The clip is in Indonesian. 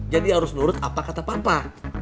jadi harus nurut apa kata papa